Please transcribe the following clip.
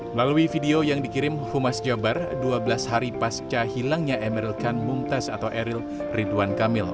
melalui video yang dikirim humas jabar dua belas hari pasca hilangnya emeril khan mumtaz atau eril ridwan kamil